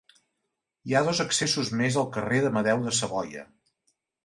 Hi ha dos accessos més al carrer d'Amadeu de Savoia.